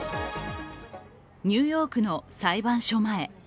ニューヨークの裁判所前。